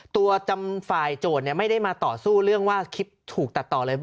ตัวจำฝ่ายโจทย์ไม่ได้มาต่อสู้เรื่องว่าคลิปถูกตัดต่อเลย